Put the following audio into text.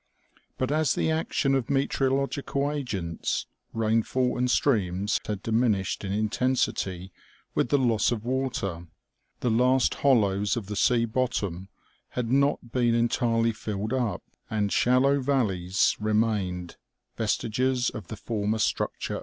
But as the action of meteorological agents, rainfall and streams, had dimin ished in intensity with the loss of water, the last hollows of the sea bottom had not been entirely filled up, and shallow valleys remained, vestiges of the former structure 237 238 OMEGA.